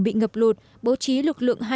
bị ngập lụt bố trí lực lượng hai mươi bốn